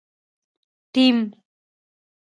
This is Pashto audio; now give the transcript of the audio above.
ټیم